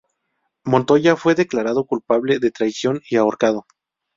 Montoya fue declaro culpable de traición y ahorcado.